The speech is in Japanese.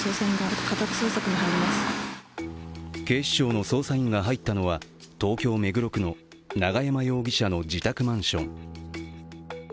警視庁の捜査員が入ったのは東京・目黒区の永山容疑者の自宅マンション。